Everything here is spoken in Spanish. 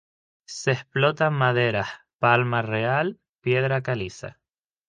Se explotan maderas, palma real, piedra caliza.